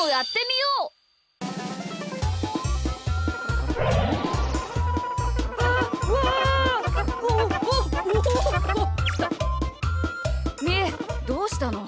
みーどうしたの？